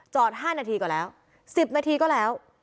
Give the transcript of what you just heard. ๕นาทีก็แล้ว๑๐นาทีก็แล้ว